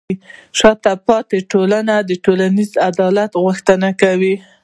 شاته پاتې ټولنه د ټولنیز عدالت غوښتنه کوي.